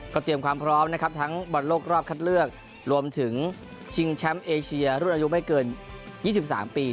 เตรียมความพร้อมนะครับทั้งบอลโลกรอบคัดเลือกรวมถึงชิงแชมป์เอเชียรุ่นอายุไม่เกิน๒๓ปี